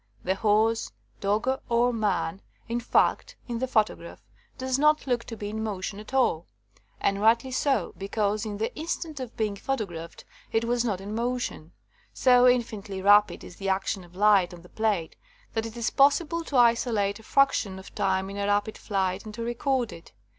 The horse, dog, or man, in fact, in the 86 RECEPTION OF THE FIRST PHOTOGRAPHS photograph does not look to be in motion at all. And rightly so, because in the instant of being photographed it was not in motion. So infinitely rapid is the action of light on the plate that it is possible to isolate a frac tion of time in a rapid flight and to record it.